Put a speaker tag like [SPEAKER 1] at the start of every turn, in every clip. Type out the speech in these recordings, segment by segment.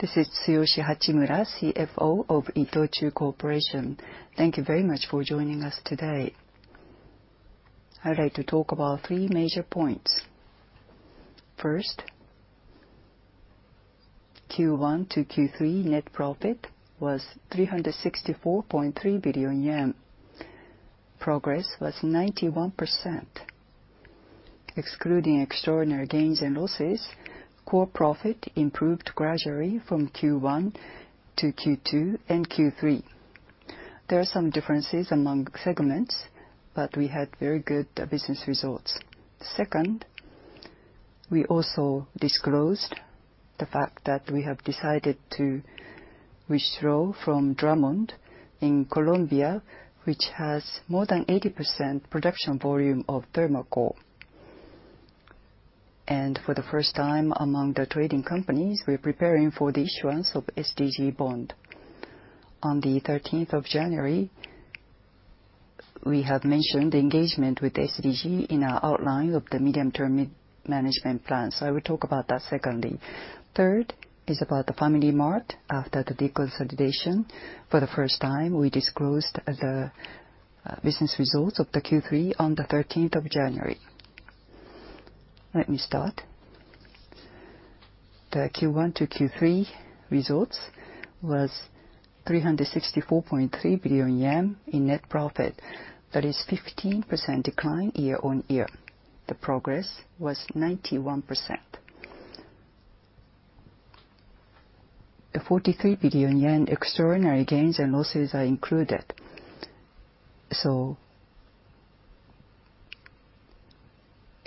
[SPEAKER 1] This is Tsuyoshi Hachimura, CFO of ITOCHU Corporation. Thank you very much for joining us today. I'd like to talk about three major points. First, Q1 to Q3 net profit was 364.3 billion yen. Progress was 91%. Excluding extraordinary gains and losses, core profit improved gradually from Q1 to Q2 and Q3. There are some differences among segments, but we had very good business results. Second, we also disclosed the fact that we have decided to withdraw from Drummond in Colombia, which has more than 80% production volume of thermal coal. For the first time among the trading companies, we're preparing for the issuance of SDG bond. On the 13th of January, we have mentioned the engagement with SDG in our outline of the medium-term management plan. I will talk about that secondly. Third is about FamilyMart after the deconsolidation. For the first time, we disclosed the business results of the Q3 on the 13th of January. Let me start. The Q1 to Q3 results was 364.3 billion yen in net profit. That is a 15% decline year-on-year. The progress was 91%. The 43 billion yen extraordinary gains and losses are included.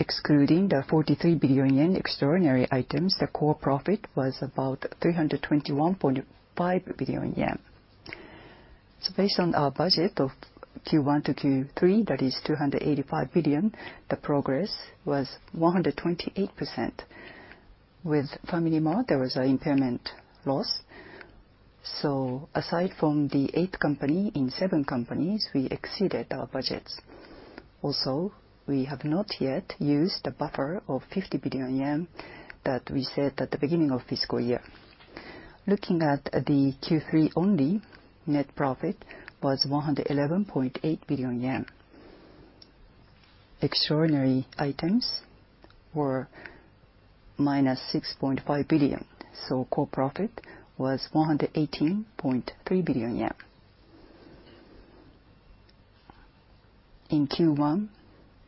[SPEAKER 1] Excluding the 43 billion yen extraordinary items, the core profit was about 321.5 billion yen. Based on our budget of Q1 to Q3, that is 285 billion, the progress was 128%. With FamilyMart, there was an impairment loss. Aside from The 8th Company, in seven companies, we exceeded our budgets. Also, we have not yet used the buffer of 50 billion yen that we said at the beginning of fiscal year. Looking at the Q3 only, net profit was 111.8 billion yen. Extraordinary items were -6.5 billion. Core profit was 118.3 billion yen. In Q1,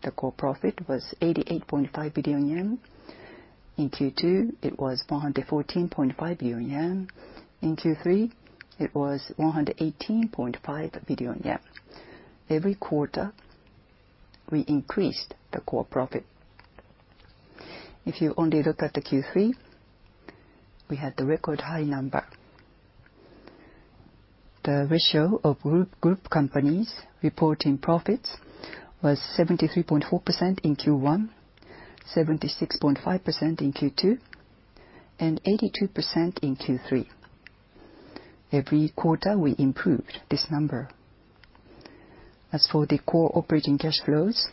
[SPEAKER 1] the core profit was 88.5 billion yen. In Q2, it was 114.5 billion yen. In Q3, it was 118.5 billion yen. Every quarter, we increased the core profit. If you only look at Q3, we had the record high number. The ratio of group companies reporting profits was 73.4% in Q1, 76.5% in Q2, and 82% in Q3. Every quarter, we improved this number. As for the core operating cash flows,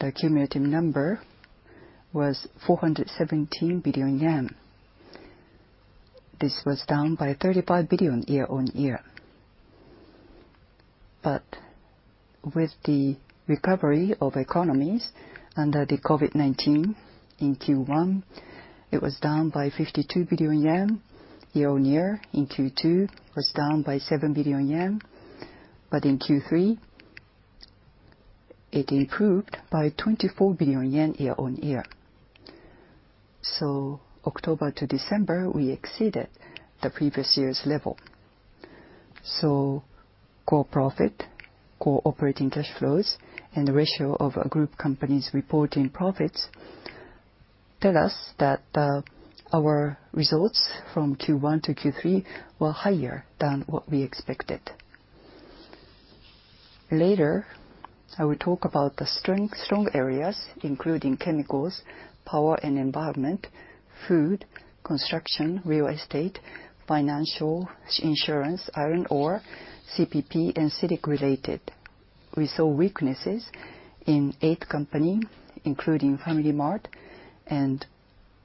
[SPEAKER 1] the cumulative number was 417 billion yen. This was down by 35 billion year-on-year. With the recovery of economies under COVID-19, in Q1, it was down by 52 billion yen year-on-year. In Q2, it was down by 7 billion yen. In Q3, it improved by JPY 24 billion year-on-year. October to December, we exceeded the previous year's level. Core profit, core operating cash flows, and the ratio of group companies reporting profits tell us that our results from Q1 to Q3 were higher than what we expected. Later, I will talk about the strong areas, including Chemicals, Power & Environment, Food, Construction, Real Estate, Financial Insurance, Iron ore, CPP, and CITIC-related. We saw weaknesses in eight companies, including FamilyMart and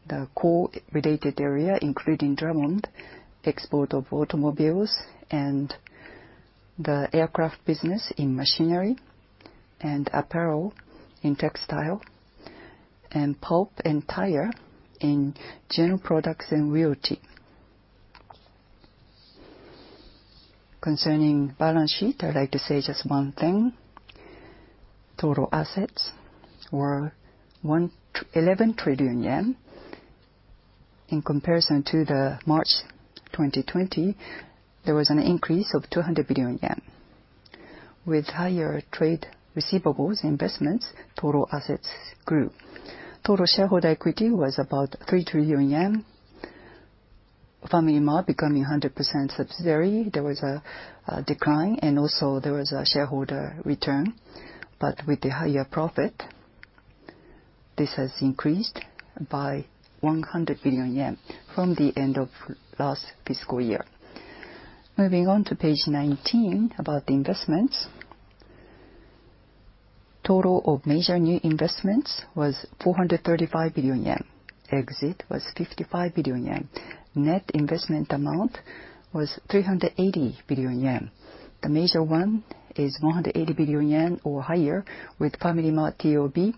[SPEAKER 1] the coal-related area, including Drummond, export of automobiles and the aircraft business in Machinery and apparel in Textile, and pulp and tire in General Products & Realty. Concerning balance sheet, I'd like to say just one thing. Total assets were 11 trillion yen. In comparison to March 2020, there was an increase of 200 billion yen. With higher trade receivables investments, total assets grew. Total shareholder equity was about 3 trillion yen. FamilyMart becoming 100% subsidiary, there was a decline, and also there was a shareholder return. With the higher profit, this has increased by 100 billion yen from the end of last fiscal year. Moving on to page 19 about the investments. Total of major new investments was 435 billion yen. Exit was 55 billion yen. Net investment amount was 380 billion yen. The major one is 180 billion yen or higher with FamilyMart TOB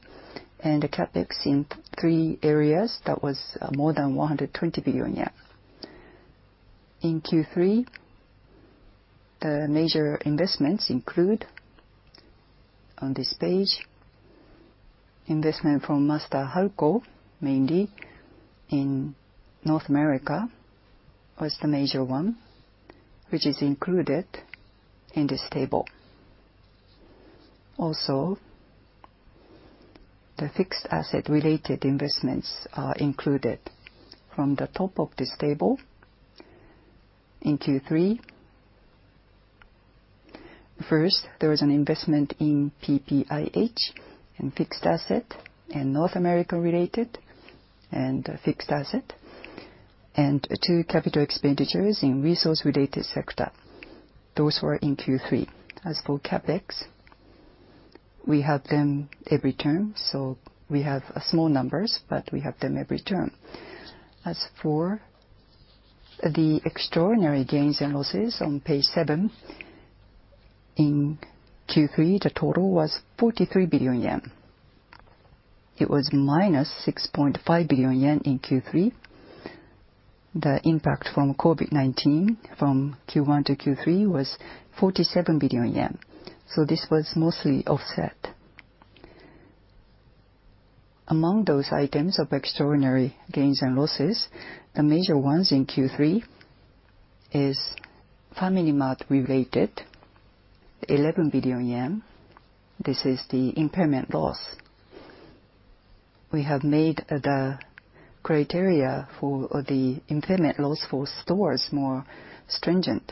[SPEAKER 1] and the CapEx in three areas that was more than 120 billion yen. In Q3, the major investments include on this page, investment from Master-Halco, mainly in North America, was the major one, which is included in this table. Also, the fixed asset-related investments are included from the top of this table. In Q3, first, there was an investment in PPIH and fixed asset and North American-related and fixed asset, and two capital expenditures in resource-related sector. Those were in Q3. As for CapEx, we have them every term, so we have small numbers, but we have them every term. As for the extraordinary gains and losses on page 7, in Q3, the total was 43 billion yen. It was -6.5 billion yen in Q3. The impact from COVID-19 from Q1 to Q3 was 47 billion yen. This was mostly offset. Among those items of extraordinary gains and losses, the major ones in Q3 is FamilyMart-related, 11 billion yen. This is the impairment loss. We have made the criteria for the impairment loss for stores more stringent.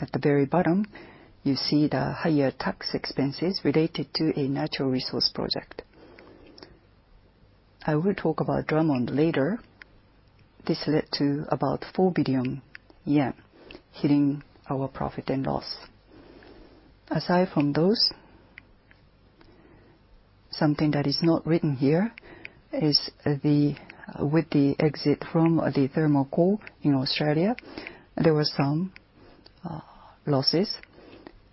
[SPEAKER 1] At the very bottom, you see the higher tax expenses related to a natural resource project. I will talk about Drummond later. This led to about 4 billion yen hitting our profit and loss. Aside from those, something that is not written here is with the exit from the thermal coal in Australia, there were some losses.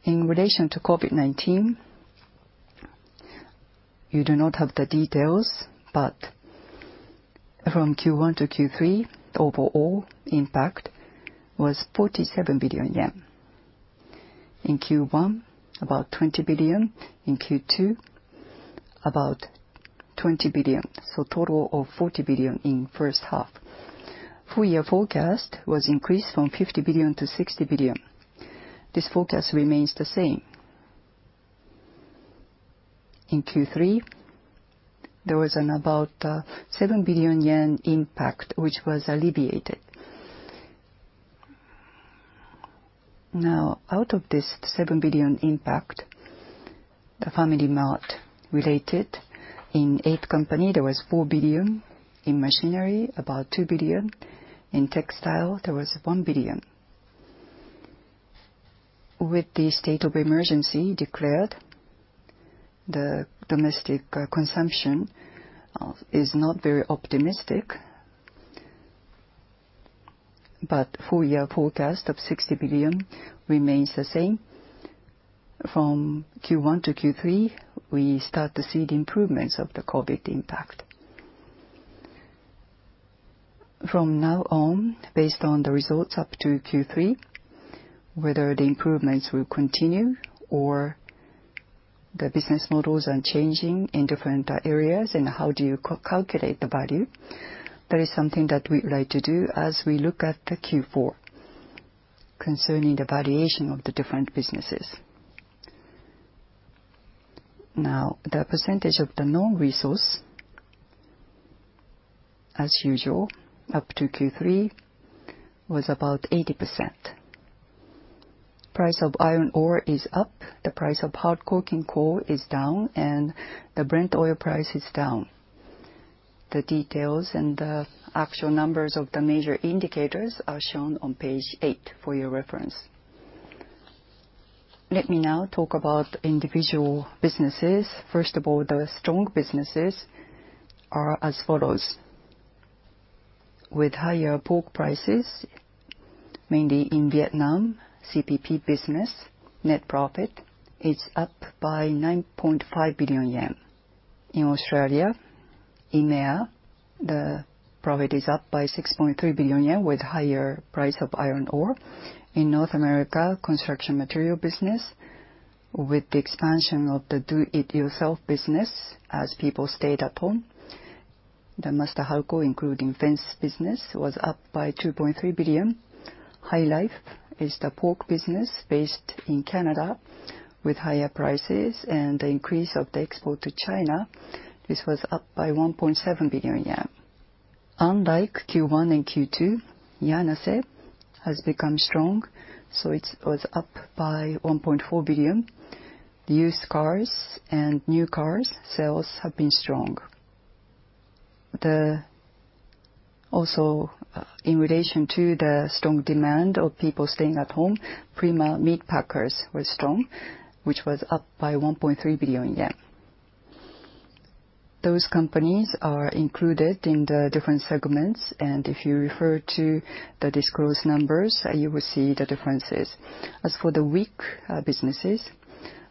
[SPEAKER 1] In relation to COVID-19, you do not have the details, but from Q1 to Q3, the overall impact was 47 billion yen. In Q1, about 20 billion. In Q2, about 20 billion. Total of 40 billion in first half. Full-year forecast was increased from 50 billion to 60 billion. This forecast remains the same. In Q3, there was about 7 billion yen impact, which was alleviated. Now, out of this 7 billion impact, the FamilyMart-related, in eight companies, there was 4 billion. In Machinery, about 2 billion. In Textile, there was 1 billion. With the state of emergency declared, the domestic consumption is not very optimistic, but four-year forecast of 60 billion remains the same. From Q1 to Q3, we start to see the improvements of the COVID impact. From now on, based on the results up to Q3, whether the improvements will continue or the business models are changing in different areas and how do you calculate the value, that is something that we'd like to do as we look at Q4 concerning the valuation of the different businesses. Now, the percentage of the non-resource, as usual, up to Q3 was about 80%. Price of iron ore is up. The price of hard coking coal is down, and the Brent oil price is down. The details and the actual numbers of the major indicators are shown on page 8 for your reference. Let me now talk about individual businesses. First of all, the strong businesses are as follows. With higher bulk prices, mainly in Vietnam, CPP business net profit is up by 9.5 billion yen. In Australia, EMEA, the profit is up by 6.3 billion yen with higher price of iron ore. In North America, construction material business, with the expansion of the do-it-yourself business as people stayed at home. The Master-Halco, including fence business, was up by 2.3 billion. HyLife is the pork business based in Canada. With higher prices and the increase of the export to China, this was up by 1.7 billion yen. Unlike Q1 and Q2, Yanase has become strong, so it was up by 1.4 billion. Used cars and new cars sales have been strong. Also, in relation to the strong demand of people staying at home, Prima Meat Packers was strong, which was up by 1.3 billion yen. Those companies are included in the different segments, and if you refer to the disclosed numbers, you will see the differences. As for the weak businesses,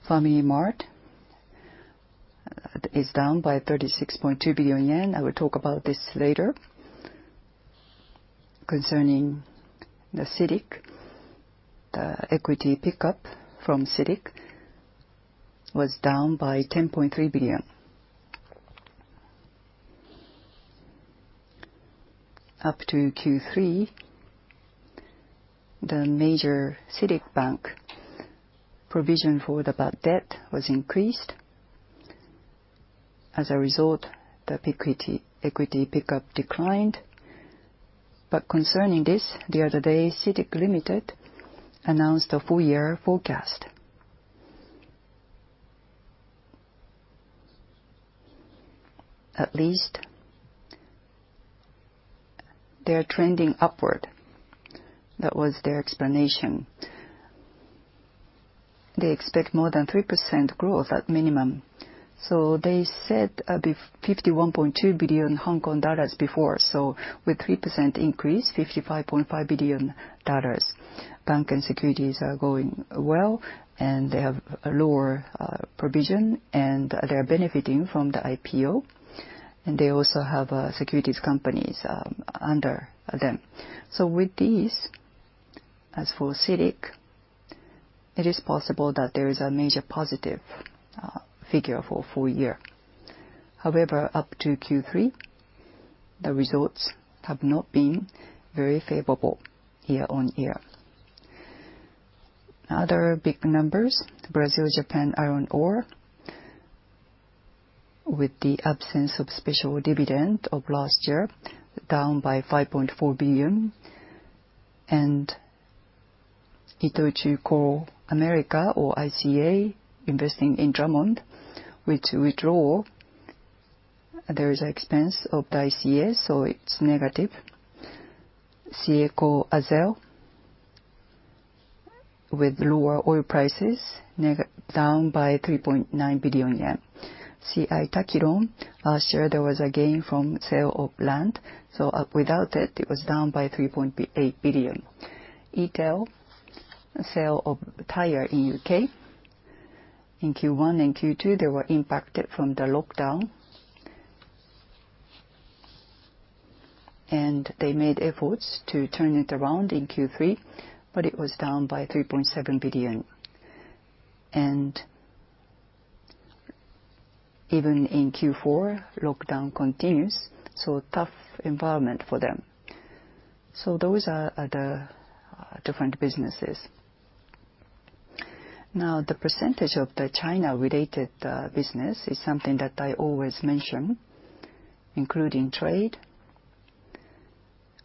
[SPEAKER 1] FamilyMart is down by 36.2 billion yen. I will talk about this later. Concerning CITIC, the equity pickup from CITIC was down by JPY 10.3 billion. Up to Q3, the major CITIC Bank provision for the debt was increased. As a result, the equity pickup declined. Concerning this, the other day, CITIC Limited announced a four-year forecast. At least, they're trending upward. That was their explanation. They expect more than 3% growth at minimum. They said 51.2 billion Hong Kong dollars before. With a 3% increase, 55.5 billion dollars. Bank and securities are going well, and they have a lower provision, and they're benefiting from the IPO. They also have securities companies under them. With these, as for CITIC, it is possible that there is a major positive figure for four years. However, up to Q3, the results have not been very favorable year-on-year. Other big numbers, Brazil, Japan, iron ore, with the absence of special dividend of last year, down by 5.4 billion. And ITOCHU Coal Americas or ICA, investing in Drummond, which withdrew. There is an expense of the ICA, so it's negative. CIECO Azer, with lower oil prices, down by 3.9 billion yen. C.I. Takiron, last year, there was a gain from sale of land. Without it, it was down by 3.8 billion. ETEL, sale of tire in U.K. In Q1 and Q2, they were impacted from the lockdown, and they made efforts to turn it around in Q3, but it was down by 3.7 billion. Even in Q4, lockdown continues, so tough environment for them. Those are the different businesses. Now, the percentage of the China-related business is something that I always mention, including trade.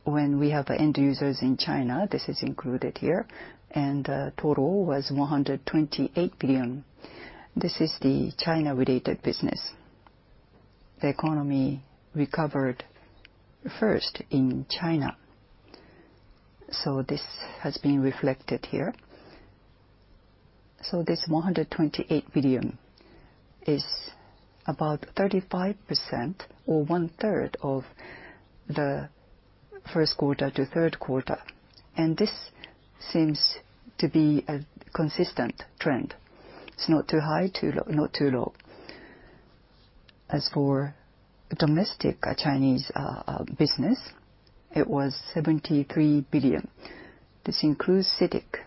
[SPEAKER 1] When we have end users in China, this is included here. The total was 128 billion. This is the China-related business. The economy recovered first in China. This has been reflected here. This 128 billion is about 35% or one-third of the first quarter to third quarter. This seems to be a consistent trend. It's not too high, not too low. As for domestic Chinese business, it was 73 billion. This includes CITIC.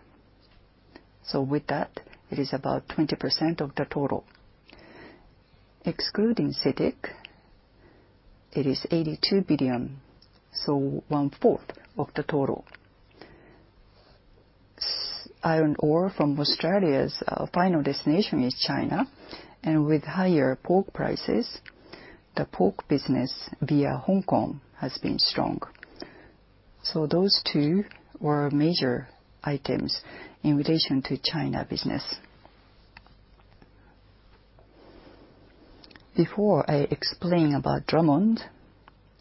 [SPEAKER 1] With that, it is about 20% of the total. Excluding CITIC, it is 82 billion, so one-fourth of the total. Iron ore from Australia's final destination is China. With higher pork prices, the pork business via Hong Kong has been strong. Those two were major items in relation to China business. Before I explain about Drummond,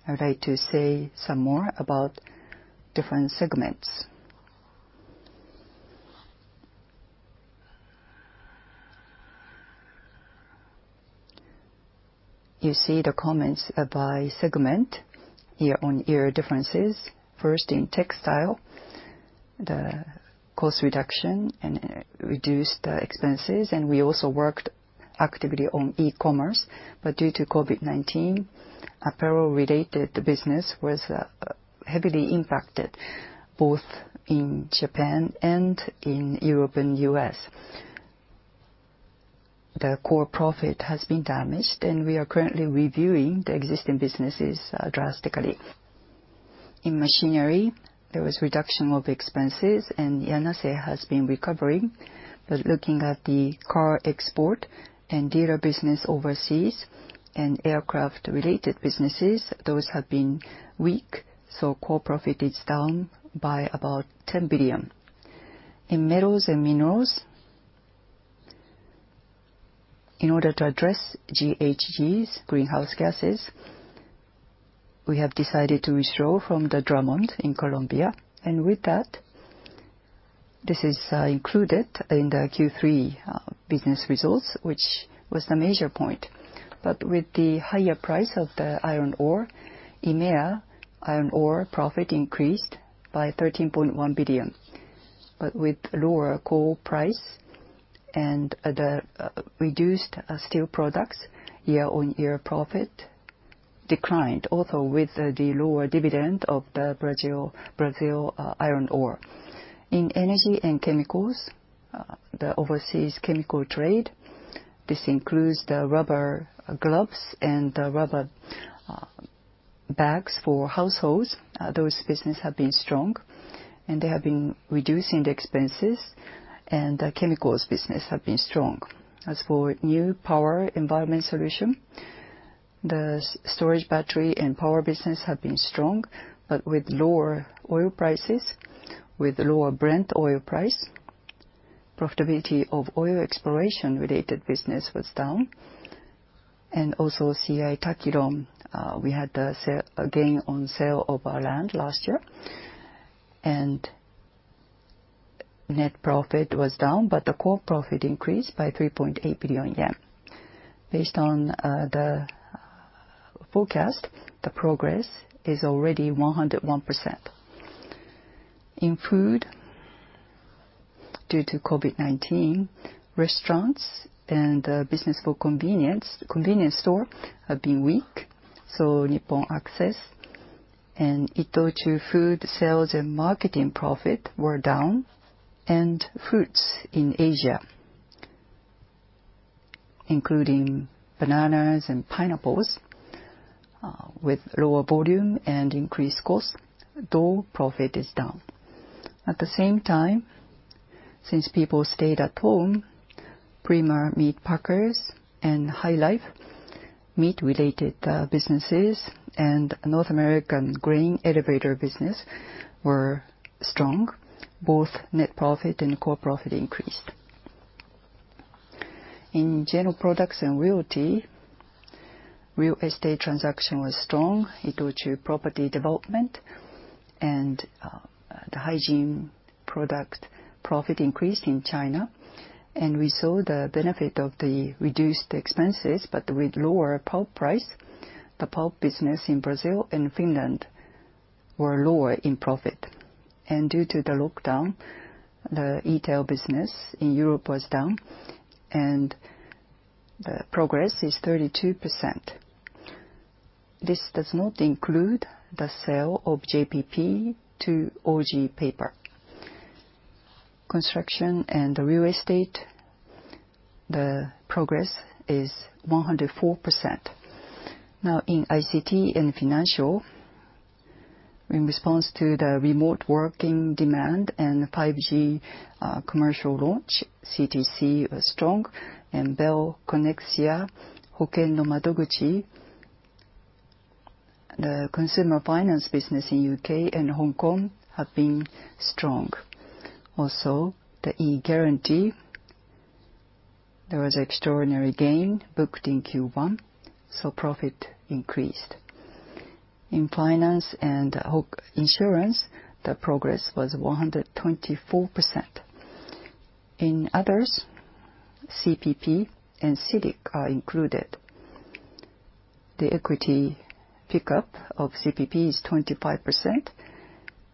[SPEAKER 1] I'd like to say some more about different segments. You see the comments by segment year-on-year differences. First, in Textile, the cost reduction and reduced expenses. We also worked actively on e-commerce. Due to COVID-19, apparel-related business was heavily impacted, both in Japan and in Europe and U.S. The core profit has been damaged, and we are currently reviewing the existing businesses drastically. In Machinery, there was reduction of expenses, and Yanase has been recovering. Looking at the car export and dealer business overseas and aircraft-related businesses, those have been weak. Core profit is down by about 10 billion. In Metals & Minerals, in order to address GHGs, greenhouse gases, we have decided to withdraw from Drummond in Colombia. This is included in the Q3 business results, which was the major point. With the higher price of the iron ore, EMEA iron ore profit increased by 13.1 billion. With lower coal price and the reduced steel products, year-on-year profit declined, also with the lower dividend of the Brazil iron ore. In Energy & Chemicals, the overseas chemical trade, this includes the rubber gloves and the rubber bags for households. Those businesses have been strong, and they have been reducing the expenses, and the chemicals business have been strong. As for new Power & Environment Solution, the storage battery and power business have been strong, but with lower oil prices, with lower Brent oil price, profitability of oil exploration-related business was down. Also, C.I. Takiron, we had a gain on sale of our land last year, and net profit was down, but the core profit increased by 3.8 billion yen. Based on the forecast, the progress is already 101%. In Food, due to COVID-19, restaurants and the business for convenience store have been weak. Nippon Access and ITOCHU Food Sales and Marketing profit were down. Fruits in Asia, including bananas and pineapples, with lower volume and increased cost, though profit is down. At the same time, since people stayed at home, Prima Meat Packers and HyLife meat-related businesses and North American grain elevator business were strong. Both net profit and core profit increased. In general products and realty, real estate transaction was strong. ITOCHU Property Development and the hygiene product profit increased in China. We saw the benefit of the reduced expenses, but with lower pulp price. The pulp business in Brazil and Finland were lower in profit. Due to the lockdown, the ETEL business in Europe was down, and the progress is 32%. This does not include the sale of JBP to Oji Paper. Construction and real estate, the progress is 104%. In ICT & Financial, in response to the remote working demand and 5G commercial launch, CTC was strong. Bell, CONEXIO, Hoken no Madoguchi, the consumer finance business in the U.K. and Hong Kong have been strong. Also, the eGuarantee, there was an extraordinary gain booked in Q1, so profit increased. In Finance & Insurance, the progress was 124%. In others, CPP and CITIC are included. The equity pickup of CPP is 25%,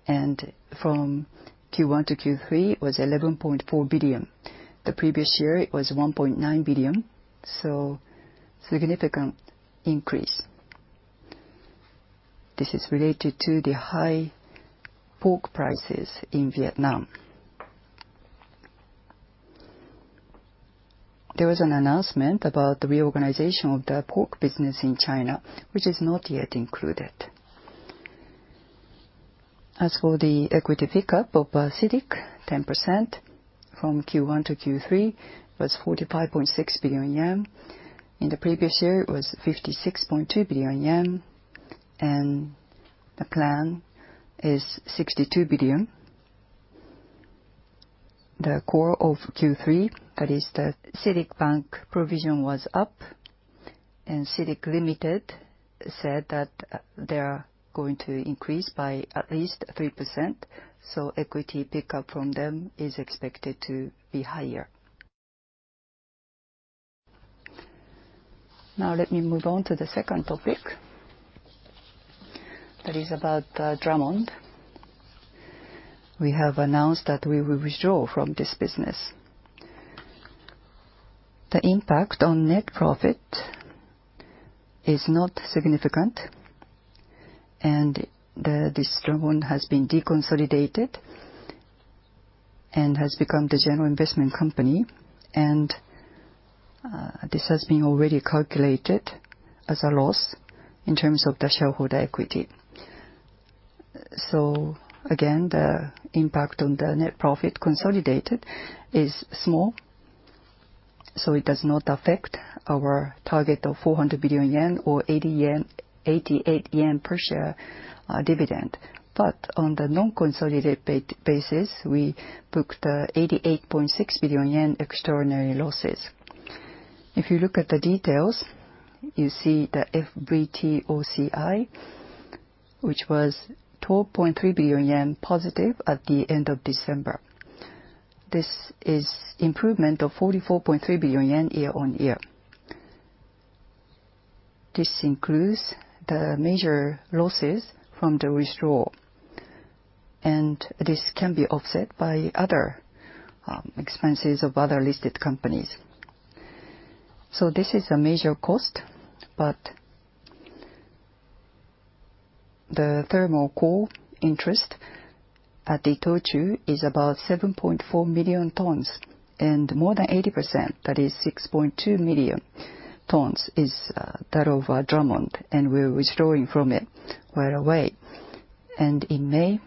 [SPEAKER 1] and from Q1 to Q3, it was 11.4 billion. The previous year, it was 1.9 billion, so significant increase. This is related to the high pork prices in Vietnam. There was an announcement about the reorganization of the pork business in China, which is not yet included. As for the equity pickup of CITIC, 10% from Q1 to Q3 was 45.6 billion yen. In the previous year, it was 56.2 billion yen, and the plan is 62 billion. The core of Q3, that is the CITIC Bank provision, was up, and CITIC Limited said that they are going to increase by at least 3%. Equity pickup from them is expected to be higher. Now, let me move on to the second topic that is about Drummond. We have announced that we will withdraw from this business. The impact on net profit is not significant, and this Drummond has been deconsolidated and has become the general investment company. This has been already calculated as a loss in terms of the shareholder equity. Again, the impact on the net profit consolidated is small, so it does not affect our target of 400 billion yen or 88 yen per share dividend. On the non-consolidated basis, we booked 88.6 billion yen extraordinary losses. If you look at the details, you see the FVTOCI, which was 12.3 billion yen positive at the end of December. This is an improvement of 44.3 billion yen year-on-year. This includes the major losses from the withdrawal, and this can be offset by other expenses of other listed companies. This is a major cost. The thermal coal interest at ITOCHU is about 7.4 million tons, and more than 80%, that is 6.2 million tons, is that of Drummond, and we're withdrawing from it right away. In May,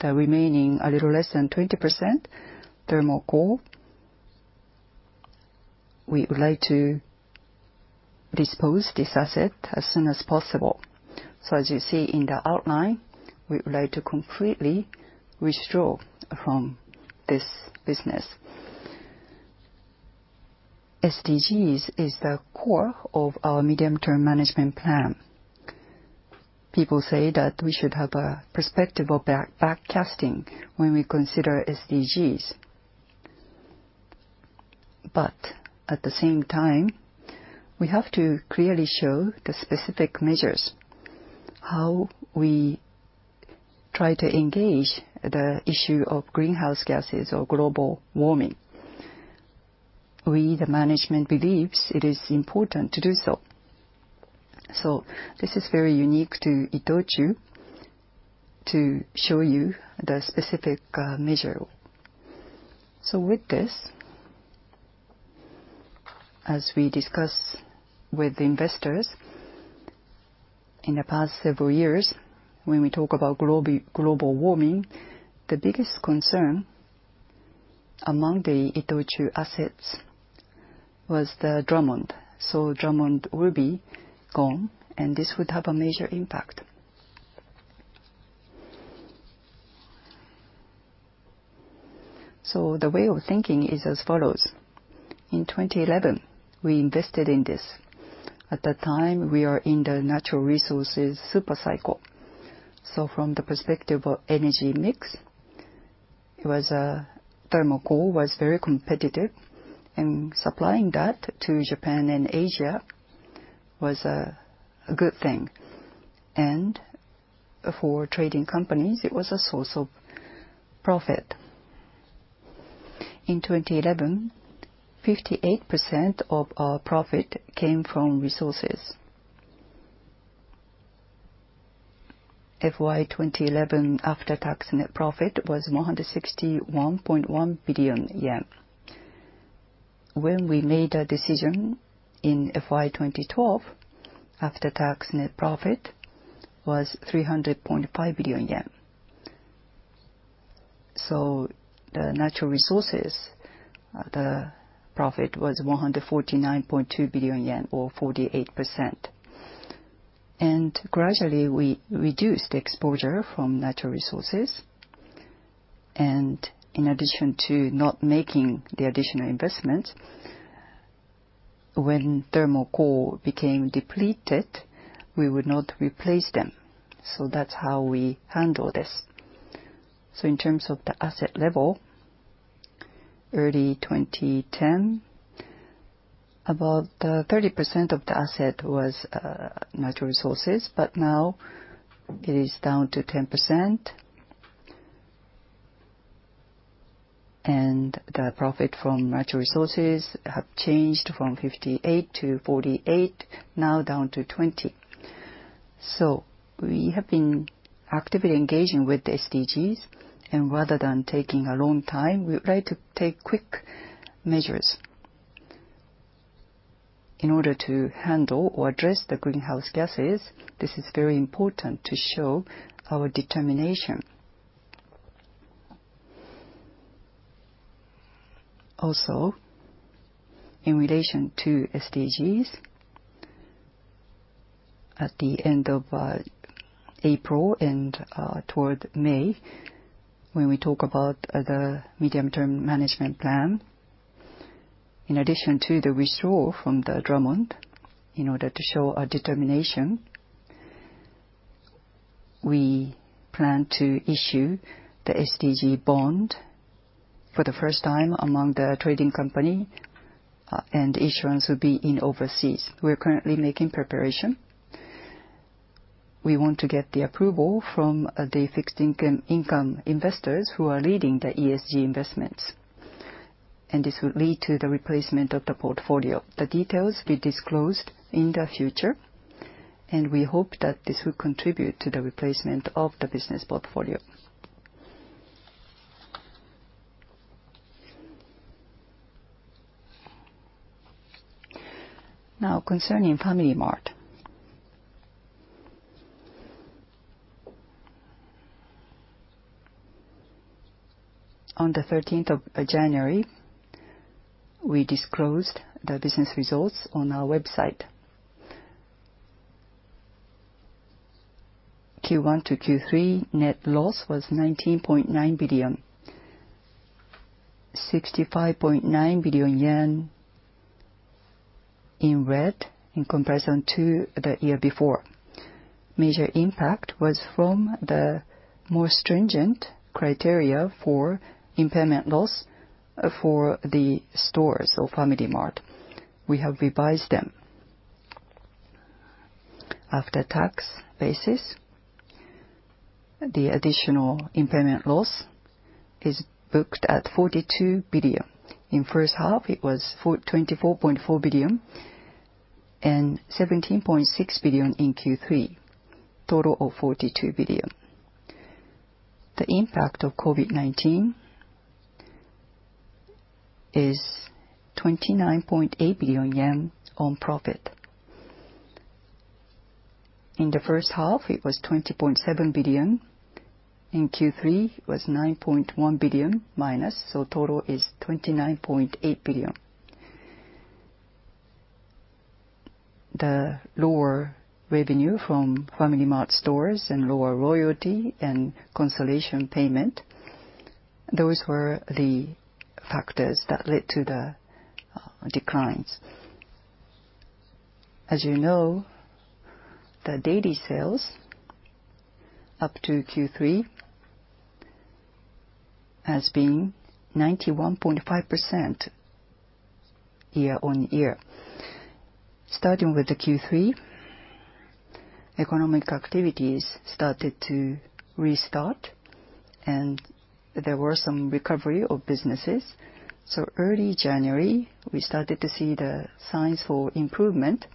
[SPEAKER 1] the remaining a little less than 20% thermal coal, we would like to dispose of this asset as soon as possible. As you see in the outline, we would like to completely withdraw from this business. SDGs is the core of our medium-term management plan. People say that we should have a perspective of backcasting when we consider SDGs. At the same time, we have to clearly show the specific measures, how we try to engage the issue of greenhouse gases or global warming. We, the management, believe it is important to do so. This is very unique to ITOCHU to show you the specific measure. With this, as we discuss with investors in the past several years, when we talk about global warming, the biggest concern among the ITOCHU assets was the Drummond. Drummond will be gone, and this would have a major impact. The way of thinking is as follows. In 2011, we invested in this. At that time, we were in the natural resources supercycle. From the perspective of energy mix, it was a thermal coal that was very competitive, and supplying that to Japan and Asia was a good thing. For trading companies, it was a source of profit. In 2011, 58% of our profit came from resources. FY 2011 after-tax net profit was 161.1 billion yen. When we made a decision in FY 2012, after-tax net profit was 300.5 billion yen. The natural resources profit was 149.2 billion yen or 48%. Gradually, we reduced exposure from natural resources. In addition to not making the additional investments, when thermal coal became depleted, we would not replace them. That is how we handled this. In terms of the asset level, early 2010, about 30% of the asset was natural resources, but now it is down to 10%. The profit from natural resources has changed from 58 to 48, now down to 20. We have been actively engaging with the SDGs, and rather than taking a long time, we would like to take quick measures. In order to handle or address the greenhouse gases, this is very important to show our determination. Also, in relation to SDGs, at the end of April and toward May, when we talk about the medium-term management plan, in addition to the withdrawal from Drummond, in order to show our determination, we plan to issue the SDG bond for the first time among the trading company, and the issuance will be in overseas. We're currently making preparation. We want to get the approval from the fixed income investors who are leading the ESG investments. This would lead to the replacement of the portfolio. The details will be disclosed in the future, and we hope that this will contribute to the replacement of the business portfolio. Now, concerning FamilyMart, on the 13th of January, we disclosed the business results on our website. Q1 to Q3, net loss was 19.9 billion, 65.9 billion yen in red in comparison to the year before. Major impact was from the more stringent criteria for impairment loss for the stores of FamilyMart. We have revised them. After-tax basis, the additional impairment loss is booked at 42 billion. In the first half, it was 24.4 billion and 17.6 billion in Q3, total of 42 billion. The impact of COVID-19 is 29.8 billion yen on profit. In the first half, it was 20.7 billion. In Q3, it was -9.1 billion, so total is 29.8 billion. The lower revenue from FamilyMart stores and lower royalty and consolidation payment, those were the factors that led to the declines. As you know, the daily sales up to Q3 has been 91.5% year-on-year. Starting with Q3, economic activities started to restart, and there was some recovery of businesses. Early January, we started to see the signs for improvement.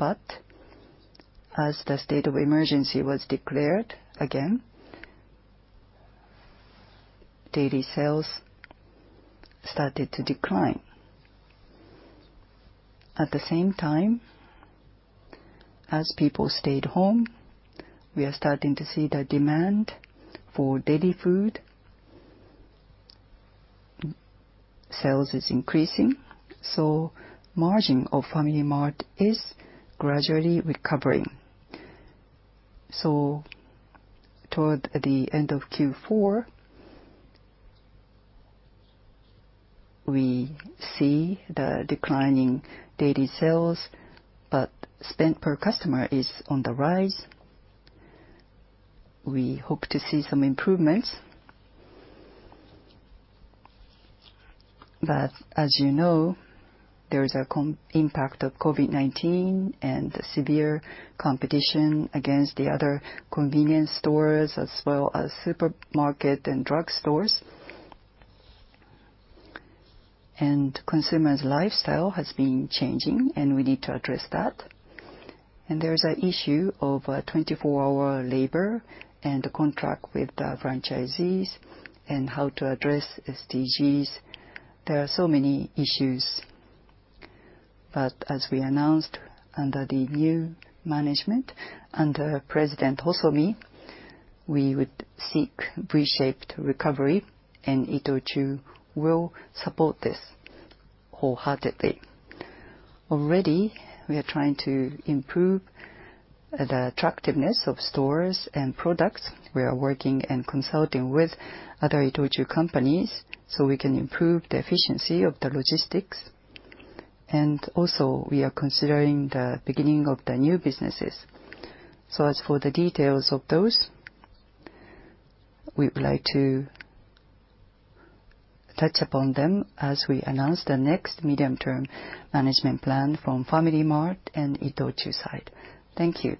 [SPEAKER 1] As the state of emergency was declared again, daily sales started to decline. At the same time, as people stayed home, we are starting to see the demand for daily food sales is increasing. The margin of FamilyMart is gradually recovering. Toward the end of Q4, we see the declining daily sales, but spend per customer is on the rise. We hope to see some improvements. As you know, there is an impact of COVID-19 and severe competition against the other convenience stores as well as supermarkets and drug stores. Consumers' lifestyle has been changing, and we need to address that. There is an issue of 24-hour labor and the contract with the franchisees and how to address SDGs. There are so many issues. As we announced under the new management, under President Hosomi, we would seek V-shaped recovery, and ITOCHU will support this wholeheartedly. Already, we are trying to improve the attractiveness of stores and products. We are working and consulting with other ITOCHU companies so we can improve the efficiency of the logistics. We are also considering the beginning of the new businesses. As for the details of those, we would like to touch upon them as we announce the next medium-term management plan FamilyMart and ITOCHU side. Thank you.